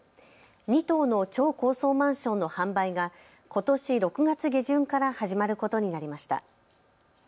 ２棟の超高層マンションの販売がことし６月下旬から始まることになりました。